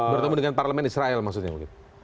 bertemu dengan parlemen israel maksudnya begitu